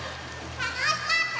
たのしかった！